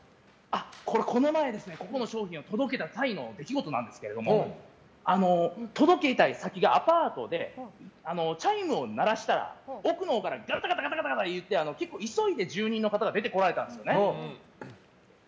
この前、ここの商品を届けた際の出来事なんですけど届けた先がアパートでチャイムを鳴らしたら奥のほうから、ガタガタいって結構、急いで住人の方が出てこられたんですよね。